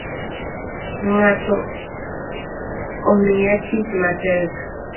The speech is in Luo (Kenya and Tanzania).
Ngato Omiya tich matek